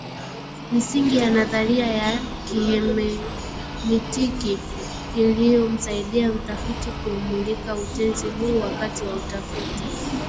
misingi ya nadharia ya kihemenitiki iliyomsaidia mtafiti kuumulika utenzi huu wakati wa utafiti